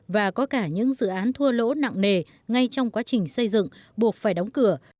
và có cả những dự án thua lỗ nặng nề ngay trong quá trình xây dựng buộc phải đóng cửa